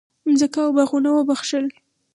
مځکه او باغونه وبخښل.